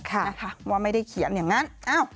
ค่ะนะคะว่าไม่ได้เขียนอย่างนั้น